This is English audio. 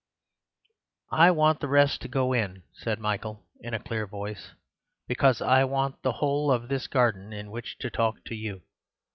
"I want the rest to go in," said Michael in a clear voice, "because I want the whole of this garden in which to talk to you."